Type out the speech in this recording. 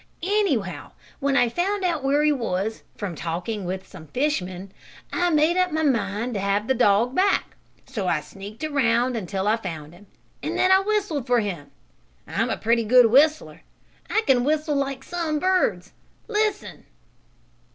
"Anyhow when I found out where he was, from talking with some fish men, I made up my mind to have the dog back. So I sneaked around until I found him, and then I whistled for him. I'm a pretty good whistler. I can whistle like some birds. Listen!"